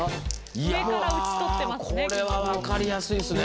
上から討ち取ってますね。